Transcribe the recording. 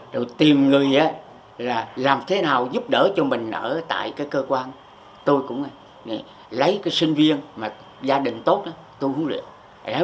rồi tìm người làm thế nào giúp đỡ cho mình ở tại cơ quan tôi cũng lấy sinh viên gia đình tốt tôi huấn luyện